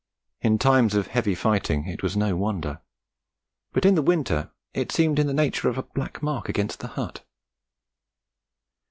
In times of heavy fighting it was no wonder, but in the winter it seemed in the nature of a black mark against the hut.